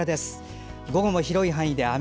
午後も広い範囲で雨。